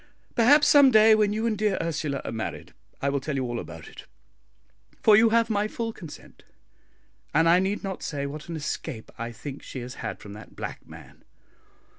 Perhaps some day when you and dear Ursula are married, I will tell you all about it; for you have my full consent; and I need not say what an escape I think she has had from that black man.